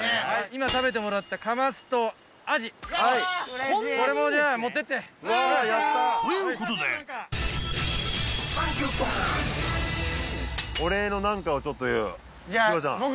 今食べてもらったカマスとアジこれもじゃあ持ってってわーっやったということでお礼の何かをちょっと芝ちゃん